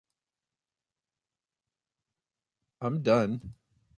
I'm done.